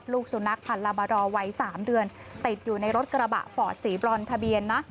ลูกสุนัขพันธ์ลาบารอวัย๓เดือนติดอยู่ในรถกระบะฟอร์ดสีบรอนทะเบียนนะ